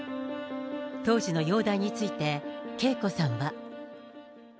当時の容体について、ＫＥＩＫＯさんは。